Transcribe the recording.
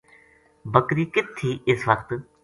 بکری کِت تھی اس وخت۔